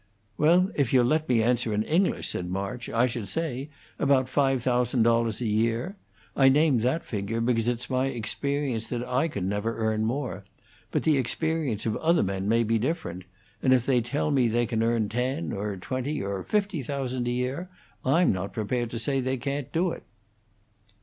"Well, if you'll let me answer in English," said March, "I should say about five thousand dollars a year. I name that figure because it's my experience that I never could earn more; but the experience of other men may be different, and if they tell me they can earn ten, or twenty, or fifty thousand a year, I'm not prepared to say they can't do it."